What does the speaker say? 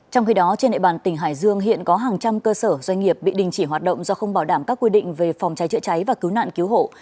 trong khi đó trên nệ bàn tỉnh hải dương hiện có hàng trăm cơ sở doanh nghiệp bị đình chỉ hoạt động do không bảo đảm các quy định về phòng cháy chữa cháy và cứu nạn cứu hộ